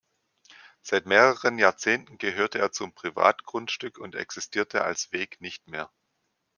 Seit mehreren Jahrzehnten gehörte er zum Privatgrundstück und existierte als Weg nicht mehr.